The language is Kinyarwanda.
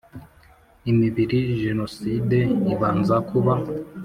imibiri jenoside ibanza kuba